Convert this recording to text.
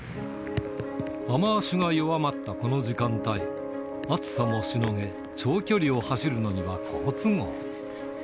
雨足が弱まったこの時間帯、暑さもしのげ、長距離を走るのには好都合だ。